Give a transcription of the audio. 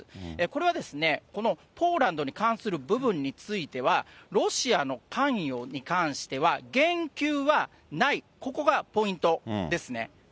これは、このポーランドに関する部分については、ロシアの関与に関しては言及はない、ここがポイントですね。